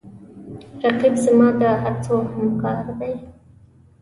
رقیب زما د هڅو همکار دی